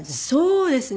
そうですね。